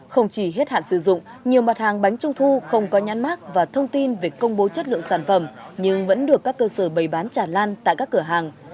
không chỉ hết hạn sử dụng nhiều mặt hàng bánh trung thu không có nhãn mát và thông tin về công bố chất lượng sản phẩm nhưng vẫn được các cơ sở bày bán tràn lan tại các cửa hàng